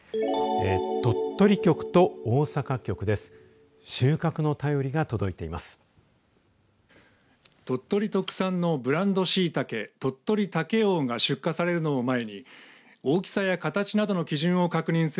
鳥取局と大阪局です。